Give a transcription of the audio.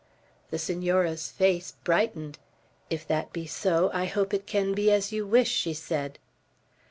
The Senora's face brightened. "If that be so, I hope it can be as you wish," she said.